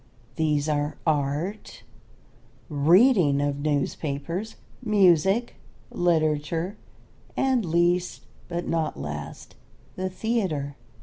These are art, reading of newspapers, music, literature, and, least but not last, the theatre.